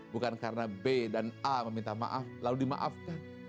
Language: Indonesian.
bukan karena b dan a meminta maaf lalu dimaafkan